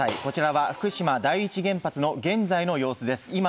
こちらは福島第一原発の現在の様子です。